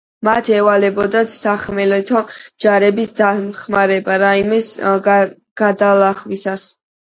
მათ ევალებოდათ სახმელეთო ჯარების დახმარება რაინის გადალახვისას.